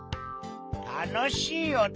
たのしいおと？